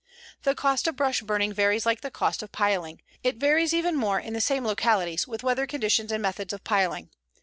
"The cost of brush burning varies like the cost of piling. It varies even more in the same localities, with weather conditions and methods of piling.